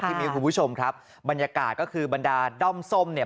มิ้วคุณผู้ชมครับบรรยากาศก็คือบรรดาด้อมส้มเนี่ย